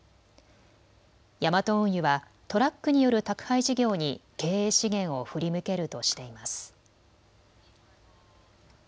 ヤマト運輸はトラックによる宅配事業に経営資源を振り向けるとしています。